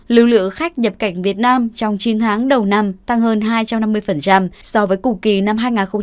lưu lựa khách nhập cảnh việt nam trong chiến thắng đầu năm tăng hơn hai trăm năm mươi so với cùng kỳ năm hai nghìn hai mươi hai